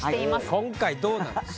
今回どうなんですか？